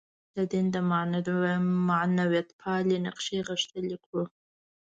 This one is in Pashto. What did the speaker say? د دین معنویتپالی نقش غښتلی کړو.